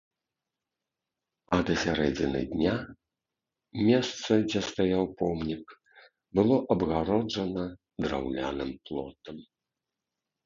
А да сярэдзіны дня месца, дзе стаяў помнік, было абгароджана драўляным плотам.